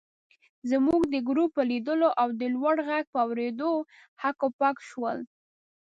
زموږ د ګروپ په لیدو او د لوړ غږ په اورېدو هک پک شول.